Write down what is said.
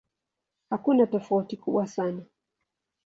Hakuna tofauti kubwa sana.